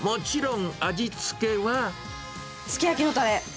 すき焼きのたれ。